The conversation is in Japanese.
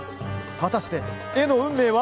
果たして絵の運命は？